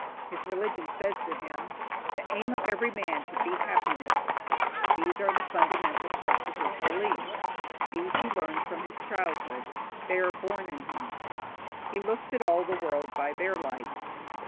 His religion says to him, 'The aim of every man should be happiness.' These are the fundamental parts of his belief; these he learns from his childhood: they are born in him. He looks at all the world by their light.